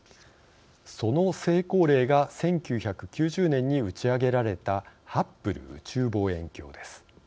その成功例が１９９０年に打ち上げられたハッブル宇宙望遠鏡です。